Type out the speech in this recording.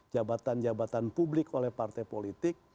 jabatan jabatan publik oleh partai politik